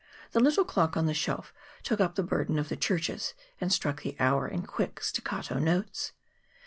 The little clock on the shelf took up the burden of the churches, and struck the hour in quick staccato notes.